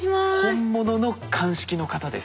本物の鑑識の方です。